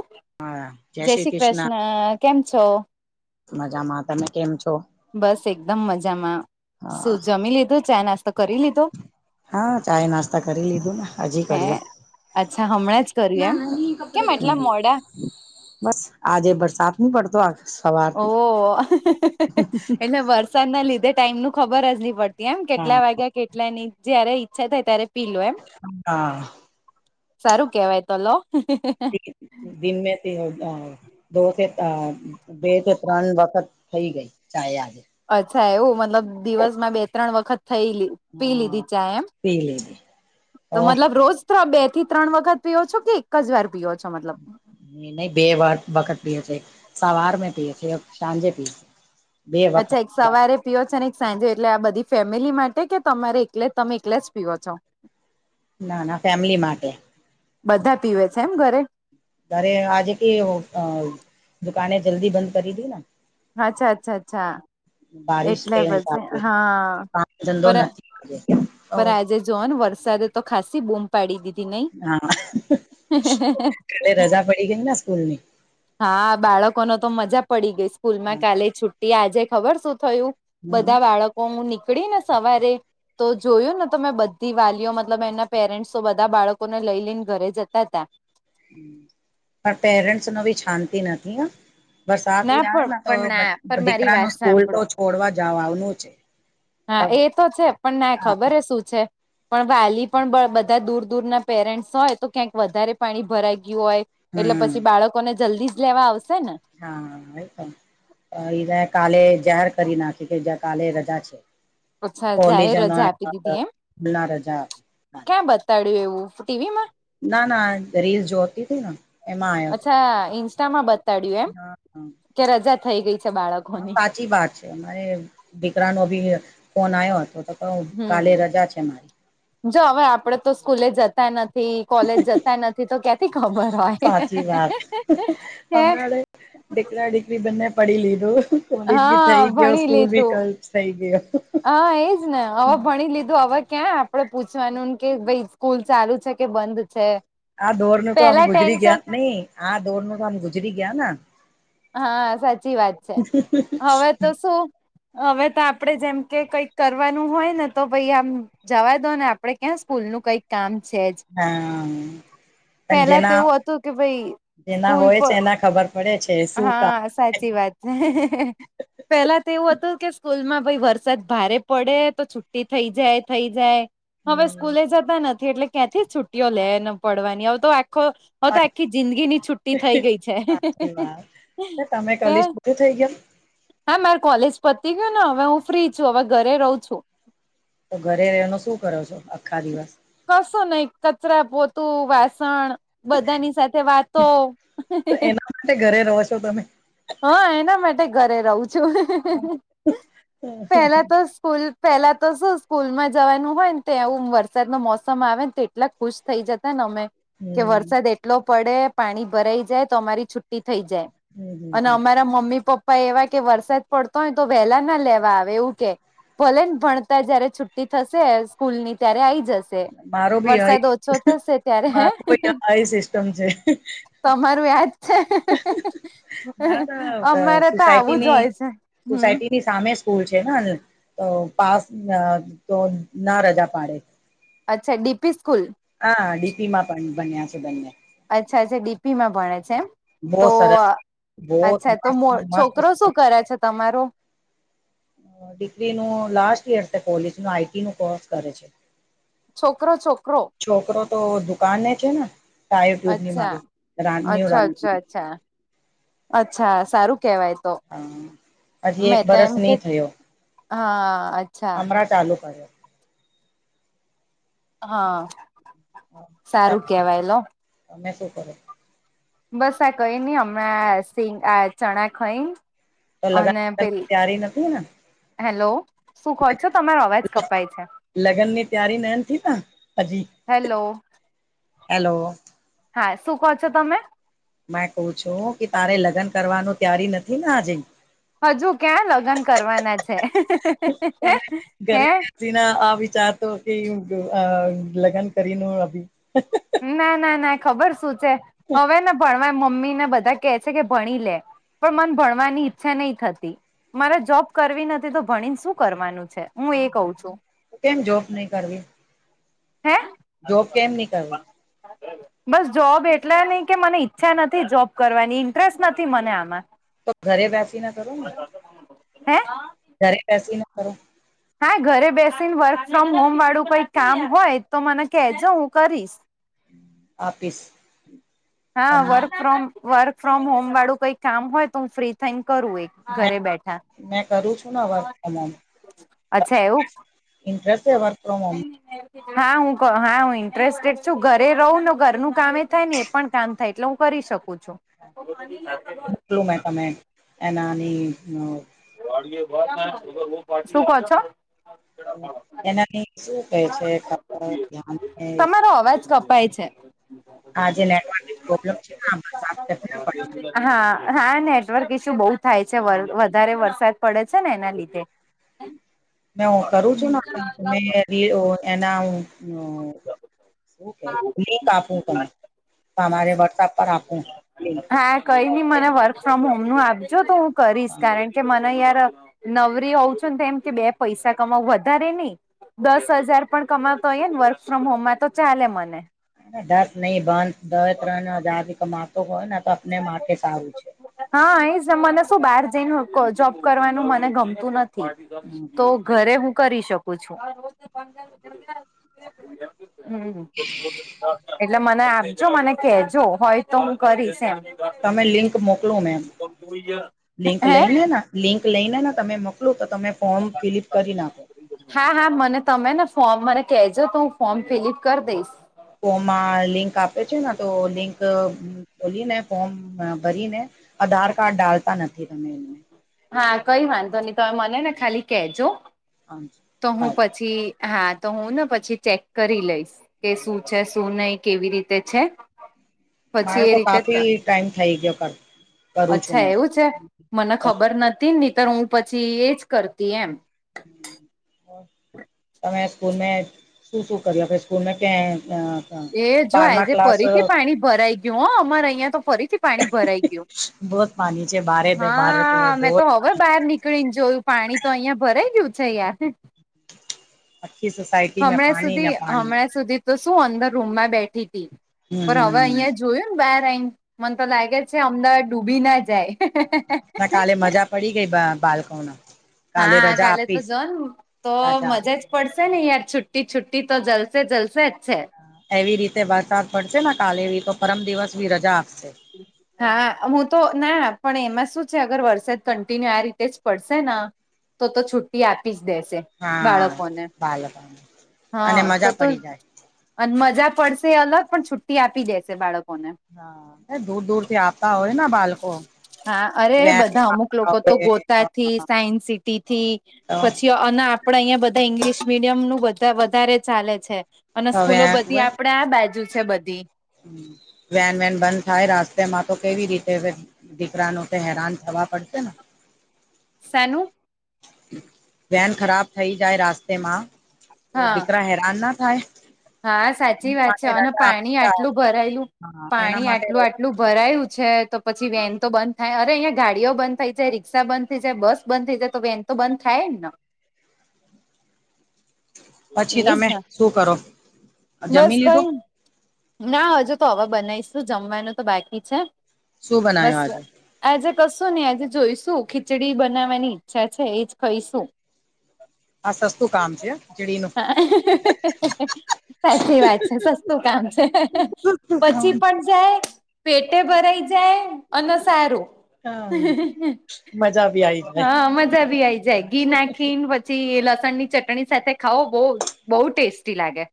ઓ જય શ્રી કૃષ્ણ કેમ છો? મજામાં તમે કેમ છો? બસ એકદમ મજામાં હા શું જમી લીધું ચાાય નાસ્તો કરી લીધો હા ચાય નાસ્તા કરી લીધું ને હજી હે કર્યો અચ્છા હમણાં જ કર્યું એમ કેમ એટલા મોડા બસ આજે બરસાદ નની પડતો અ ઓ [unintelligible] એટલે વરસાદ ના લીધે ટાઈમ નું ખબર જ નહી પડતી એમ કેટલા વાગ્યા કેટલા ની જયારે ઈચ્છા થાય ત્યારે પી લો એમ હા સારું કેવાય તો લો દિ મેથી [unintelligible] દો બે ત્રણ વખત થઈ ગઈ ચાયા અચ્છા એવું મતલબ દિવસમાં બે ત્રણ વખત થયેલી પી હા લીધી ચા એમ પી લીધી તો મતલબ રોજ બે થી ત્રણ વખત પીઓ છો કે એક જ વાર પીઓ છો મતલબ ન બે વ વખત પી અચે સાવાર મે પી અચે સાંજે પી સાંજે અચ્છા સવારે પીઓ છો ને એક સાંજે એટલે આ બધી ફેમિલી માટે કે તમારેલે તમે એલે જ પીઓ છો? ના ના ફેમિલી માટે બધા પીવે છે એમ ઘરે તારે આજે ક દુકાને જલ્દી બંધ કરી દી ને અચ્છા અચ્છા અચ્છા બારિશ એટલે કે બધ હિસાબે હા કામ ધંધો નથી કર્યો પર આજે જોન વરસાદ તો ખાસી બુમ પાડી દીધી નહી હા કાલે [unintelligible] રજા પડી ગઈ ને સ્કૂલની હા બાળકો ન તો મજા પડી ગઈ સ્કૂલમાં કાલે છુટ્ટી આજે ખબર સુું થયું હમ બધા બાળકો હું નીકળીને સવારે તો જોયું ને તો મેં બધી વાલીઓ મતલબ એના પેરેન્ટ્સો બધા બાળકોને લઈ લઈને ઘરે જતા હતા પણ પેરેન્ટ્સ નો બી શાંતિ નથી હ. વરસાદ ના પણ આવે તો પણ ના પણ મારી વાત દીકરાનું સ્કૂલ સાંભળો તો છોડવા જઓ આવનું છે. હા એ તો છે પણ ના એ ખબર હ શું છે. પણ વાલી પણ બધા દૂર દૂરના પેરેન્ટ્સ હોય તો ક્યાંક વધારે પાણી ભરાઈ ગયું હોય એટલે હમ પછી બાળકોને જલ્દી જ લેવા આવશે ને. હા વેલકમ એ કાલે જાહેર કરી નાખ્યું કે કાલે રજા છે. અચ્છા જાહેર પોલીજનો રજા આપી દીધી એમ રજા [unintelligible] ક્યાં બતાડ્યું એવું ટીવી માં? ના ના રીલ જોતી હતી ને એમાં આયા અચ્છા ઇસ્ટ બતાડ્યું એમ હા કે રજા થઈ ગઈ છે હા બાળકોની સાચી વાત છે મારે દીકરાનો બી ફોન આવ્યો હતો તો કહું કાલે હમ રજા છે માર જો હવે આપડે તો સ્કૂલે જ તા નથી કોલેજ જતા નથી તો ક્યાંથી ખબર હોય સાચી વાત [unintelligible] હમણાં [unintelligible] દીકરા દીકરી બંને પડી લીધું કોલેજ ભી હા થઈ ગયો ભણી સ્કૂલ ભી લીધું કર સહી ગયો હા એજ ને હવે ભણી લીધું હવે ક્યાં આપ આપડે પૂછવાનુંને કે ભાઈ સ્કૂલ ચાલુ છે કે બંધ છે. આ દોડ નું તો આમ પેલા ગુજરી ટેન્શન ગયા નહી આ દોડ ન તો આમ ગુજરી ગયા- હા સાચી વાત છે હવે તો શું? હવે તો આપડે જેમ કે કઈક કરવાનું હોય ને તો પાઈ આમ- જવાય દો ને આપણે ક્યાં સ્કૂલ નું કઈક- કામ છે જ? હા પણ પેલા તો જેના એવું હતું કે ભાઈ જેના સ્કૂલ હોય પર છે એના ખબર પડે છે. શું કામ હા સાચી વાત છે. પેલા તો એવું હતું કે સ્કૂલમાં ભાઈ વરસાદ ભારે પડે તો છુટી થઈ જાય થઈ જાય- હવે હમ સ્કૂલે જતા નથી એટલે ક્યાંથી જ છુટ્ટીઓ લે પડવાની હવે તો આખો- હ તો આખી જિંદગી ની છુટ્ટી થઇ ગઈ છે. એ વાત તમે હે કલી પરું થઇ ગય. હા મારે કોલેજ પતી ગય ને હવે હું ફ્રી છું હવે ઘરે રહું છું. તો ઘરે રહેનો શું કરો છો આખા દિવસ- કસો નહી કચરા પોતું વાસણ- બધાની સાથે વાતો- તો એના માટે ઘરે રહો છો તમે હા એના માટે ઘરે રહું છું પેલા તો- સ્કૂલ પેલા તો શું સ્કૂલ માં જવાનું હોય ને ત્યાં ઉંમવર- વરસાદ નો મોસમ આવે ને તો એટલા ખુશ થઈ જતા ને અમે કે હમ વરસાદ એટ- ટ પડે પાણી ભરાઈ જાય તો અમારી છૂટી થઈ જાય હમ હમ અને હમ અ- રા મમ્મી પપ્પા એવા કે વરસાદ પડતો હોય તો વહેલા ના લેવા આવે એવું કે- ભલે ને ભણતા જયારે છુટ્ટી થશે સ્કૂલ ની ત્યારે આવીઈ- મારો ભી ત્યારે હે મારો સિસ્ટમ છે. તમારું યાદ છે મારા તો અમારે તો આવું જ સોસાયટીની હોય છે હમ સોસાયટીની- સામે સ્કૂલ છે ને તો પાસ તો ના રજા પાડે- અચ્છા ડીપી સ્કૂલ. હા ડીપી માં પણ બન્યા છે બંને- અચ્છા અચ્છા ડીપી માં ભણે છે એમ- બહુ તો સરસ બહુ અચ્છા તો મસ્ત મો મસ્ત છોકરો સ્કૂલ શું કરે છે તમારો- ડિગ્રી નું લાસ્ટ યર તે કોલેજ ન આઈટી નું કોર્સ કરે છે. છોકરો છોકરો- છોકરો તો દુકાનને છે ને ટાય ટ્યુબ ની મારી રા રા અચછા અચ્છા સારું કેવાય તો- હા હજી એક મેં તો બરસ એમ કે નહી થયો- હા અચ્છા અમરા તાલુકા છે. હા સારું કેવાય તો - તમે શું કરો? બસ આ કઈ નને હમણાં સિ આ ચણા ખઈ- તો અને લગનની પેલી તૈયારી નથી ને હેલો શું કો છો તમારો અવાજ કપાય છે. લગનની તૈયારી ન નથી ત હજી- હેલો- હેલો - હા શું કહો છો તમે? મે કું છું કે તારે લગ્ન કરવાનું ત્યારી નથી ને આજે હજુ ક્યાં લગ્ન કરવાના છે હે ના આ વિચાર તો કે લગ્ન કરી ન અભી ના ના ના ખબર સુું છે હવે ને ભણવા મમ્મીને બધા કે છે કે ભણી લે? પણ મન ભણવાની ઈચ્છા નહી થતી? મારે જોબ કરવી નથી તો ભણીને શું કરવાનું છે હું એ કઉ છું? તો કેમ જોબ નહી કરવી? હે? જોબ કેમ નહી [inaudible] બસ જોબ એટલા નહ કે મને ઈચ્છા નથી જોબ કરવાની ઇન્ટરેસ્ટ નથી મને આમાં. તો ઘરે બેસી ના કરો ને, હે ઘરે બેસી ને કરો. હા ઘરે બેસીને વર્ક ફ્રોમ હોમ વાળું કોઈ કામ હોય તો મને કહેજો હું કરીશ. આપીશ હા અમ work from work from home વાળું કઈ કામ હોય તો હું ફ્રી થઈને કરું એક. મેં ઘરે બેઠા. મેં કરું છું ને વર્ક ફ્રોમ છે એવું? ઇન્ટ્રેરસ્ટે વર્ક ફોમ હોમ. [inaudible] હા હું હા હું ઇન્ટરેસ્ટેડ છું ઘરે રહું ને ઘરનું કામ થાય ને એ પણ કામ થાય એટલે હું કરી શકુ છુ. એટલું મે તમે એનાની શું કો છો? એનાની શું કહે છે કપ ધને? તારો અવાજ કપાય છે. આજે નેટવર્ક ની પ્રોબ્લેમ છેન [inaudible] હા હા નેટવર્ક ઈશુ બહુ થાય છે. [unintelligible] વધારે વરસાદ પડે છે ને એના લીધે. મે હું કરું છું [unintelligible] એના હું. લિક આપું તમે, તમારે વોટ્સપ પર આપું. લિંક હા કઈ નહી મને વર્ક ફ્રોમ હોમ નું આપજો તો હું કરીશ. હા કારણ કે મને યાર નવરી હોઉં છું ને એમ કે બે પૈસા કમાવ વધારે નહી. દસ હજાર પણ કમાતો હોય ને વર્ક ફ્રોમ હોમમાં તો ચાલે મને. દસ નહી બંધ બે ત્રણજ કમાતો હોય ને તો આપને માટે સારું છે. હા એ મને શું બહાર જઈને જોબ કરવાનું મને ગમતું નથી તો ઘરે હું કરી શકું છું. હમ્મ, એટલે મને આપજો મને કેજો હોય તો હું કરીશ એમ. તમે લિંક મોકલુ મે, લિંક હે લઈને ના? લિંક લઈને ને તમે મોકલો તો તમે ફોર્મ ફિલઅપ કરી નાખો. હા હા મને તમે ને ફોર્મ મને કજો તો હું ફોર્મ ફિલઅપ કરી દઈશ. ફોમાં લિંક આપે છે ને તો લિંક બોલી ને ફોર્મ ભરીને અધાર કાર્ડ ડાલતા નથી તમે એ. હા કઈ વાંધો નહી તમે મને ને ખાલી કહેજો, આમ તો હું સારું પછી હા તો હું ને પછી ચેક કરી લઈશ. કે શું છે, શું નહી, કેવી રીતે છે. પછી મારે એ તો રીતે કાફી ટાઈમ થઈ ગયો કરતા. અચ્છા એવું છે, મને ખબર નથી નીતર હું પછી એજ કરતી એમ. હ હ તમે સ્કૂલ મે શું શું કર્યું કે સ્કૂલમાં ક્યાં હતા? એ જો આજે ફરીથી પાણી ભરાઈ ગયું હો અમારે અહિયાં તો ફરીથી પાણી ભરાઈ ગયું, હા મે તો ખબર બહાર નીકળીને જોયું પાણી તો અહિયાં ભરાઈ ગયું છે યાર. [unintelligible] હમણાં પાણી ને સુધી પાણી હમણાં સુધી તો શું અંદર રૂમમાં બેઠી હતી હમ પણ હવે હમ અહિયાં જોયું બાર આવીન મને તો લાગે છે અમદાવાદ ડૂબી ના જાય. ના કાલે મજા પડી ગઈ બા બાળકોને. હા રજા કાલે તો આપીશ જન તો રજા મજા જ પડશે નિ યાર છુટી છુ્ટી તો જલસે જલસે છે. એવી રીતે વરસાદ પડશે કાલે એવી તો પરમ દિવસ બી રજા આપશે. હા હું તો ના પણ એમાં શું છે, અગર વરસાદ કન્ટિન્યુ આ રીતે જ પડશે ના તો તો છુટ્ટી આપી જ દેશે હા બાળકોને બાલકને હા અને તો મજા તો પડી જાય અને મજા પડશે અલગ પણ છુટ્ટી આપી દેશે બાળકોને હા એ દૂર દૂર થી આવતા હોય બાલકો હા અરે બધા અમુક લોકો તો ગોતા થી સાયન્સ સિટી થી પછી અના આપડે અહિયાં બધા ઈંગ્લિશ મીડિયમનું બધા વધારે ચાલે છે. અને સ્કૂલો બધી આપણેે આ બાજુ છે, બધી વેન વેન બંધ થાય રાસ્તેમાં તો કેવી રીતે હવે દીકરાનો તો હેરાન થવા પડશે ને શેનું? વેન ખરાબ થઈ જાય રાસ્તેમાં તો હા દીકરા હે રાન ના થાય. હા સાચી વાત છે, માટે અને રજા પાણી આપતા આટલું ભરાયેલું હા એના પાણી માટે આટલું આ ટલું ભરાયું છે, તો પછી વેન તો બં થાય અરે અહીંયા ગાડીઓ બંધ થઈ જાય રિક્ષા બંધ થઈ જાય બસ બંધ થઈ જાય તો વેન તો બંધ થાય ન પછી એજ તમે ને શું કરો બસ જમી કઈ લીધું ના હજુ તો હવે બનાવીશું જમવાનું તો બાકી છે, શું બસ બનાવ્યું આજે આજે કશો ને આજે જોઈશું ખીચડી બનાવવાની ઈચ્છા છે, એજ ખઈશું આ સસ્તું કામ છે. ખીચડીનું [inaudible] સાચી વાત છે, સસ્તું કામ છે, પછી પણ જાય પેટેે ભરાઈ જાય અને સારું હા મજા બી આઈ જાય હા મજા ભી આઈ જાય ઘી નાખીન પછી એ લસણ ની ચટણી સાથે ખાવો બો બહુ ટેસ્ટી લાગે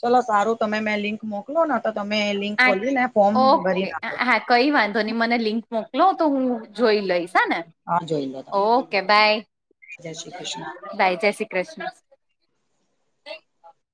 ચલો સારું તમે મેં લિંક મોકલો ને તો તમે લિંક આ ખોલીને ફોર્મ ઓકે ભરી નાખો હા કઈ વાંધો નહી મને લિંક મો કલો તો હું જોઈ લઈશ હને હા જોઈ લો તમે ઓકે બાય જય શ્રી કૃષ્ણ બાઈ જય શ્રી કૃષ્ણ.